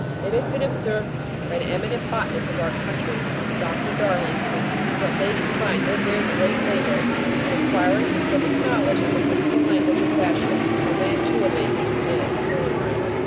It has been observed by an eminent botanist of our country, Dr. Darlington, that ladies find no very great labour in acquiring a perfect knowledge of the technical language of fashion, of mantua making and millinery.